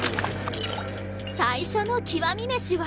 最初の極み飯は